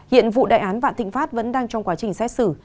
hiện vụ đại án vạn thịnh pháp vẫn đang trong quá trình xét xử